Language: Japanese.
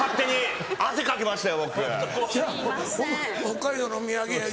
「北海道のお土産や」